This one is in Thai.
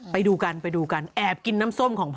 ไปดูกันไปดูกันแอบกินน้ำส้มของพ่อ